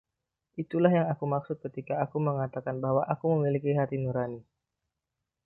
Itulah yang aku maksud ketika aku mengatakan bahwa aku memiliki hati nurani.